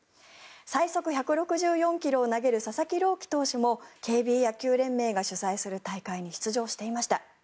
最速１６４ｋｍを投げる佐々木朗希投手もＫＢ野球連盟が主催する大会に出場していました。